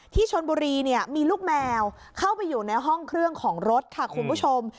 ที่ชนบุรีเนี่ยมีลูกแมวเข้าไปอยู่ในห้องเครื่องของรถค่ะคุณผู้ชม